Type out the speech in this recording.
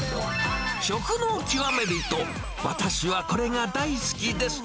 食の極め人、私はコレが大好きです。